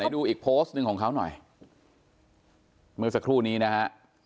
ดูอีกโพสต์หนึ่งของเขาหน่อยเมื่อสักครู่นี้นะฮะ